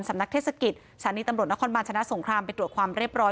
นักเทศกิจสถานีตำรวจนครบาลชนะสงครามไปตรวจความเรียบร้อย